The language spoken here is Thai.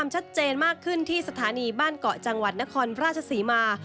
ชัดเจนมากขึ้นที่สถานีบ้านเกาะจังหวัดนครราชศรีมา